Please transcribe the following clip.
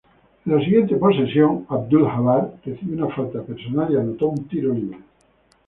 En la siguiente posesión, Abdul-Jabbar recibió una falta personal y anotó un tiro libre.